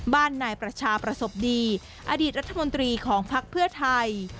นายประชาประสบดีอดีตรัฐมนตรีของภักดิ์เพื่อไทย